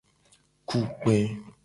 Ku kpe.